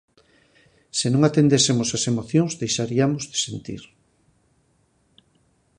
Se non atendésemos ás emocións, deixariamos de sentir.